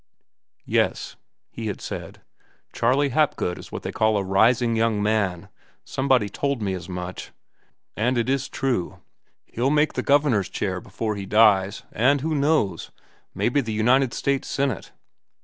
"Yes," he had said, "Charley Hapgood is what they call a rising young man—somebody told me as much. And it is true. He'll make the Governor's Chair before he dies, and, who knows? maybe the United States Senate."